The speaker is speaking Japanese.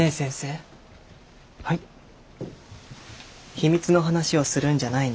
秘密の話をするんじゃないの？